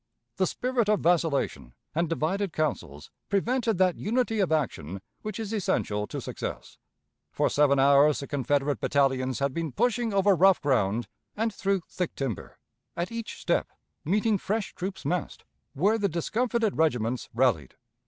The spirit of vacillation and divided counsels prevented that unity of action which is essential to success. For seven hours the Confederate battalions had been pushing over rough ground and through thick timber, at each step meeting fresh troops massed, where the discomfited regiments rallied.